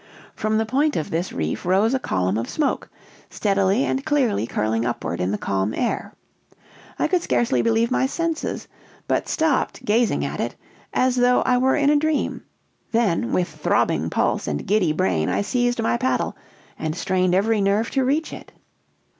From the point of this reef rose a column of smoke, steadily and clearly curling upward in the calm air. I could scarcely believe my senses, but stopped gazing at it, as though I were in a dream; then, with throbbing pulse and giddy brain, I seized my paddle, and strained every nerve to reach it.